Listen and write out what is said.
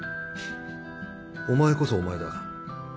お前こそお前だ。